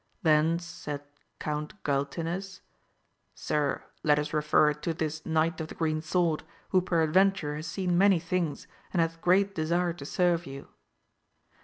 Then said Count Galtines, Sir, let us refer it to this Knight of the Green Sword, who peradventure has seen many things, and hath great desire to serve you.